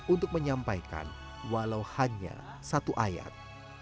untuk menyampaikan walau hanya satu ayat